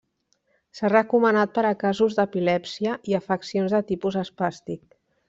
S'ha recomanat per a casos d'epilèpsia i afeccions de tipus espàstic.